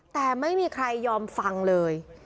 แต่ไม่มีใครยอมฟังเลย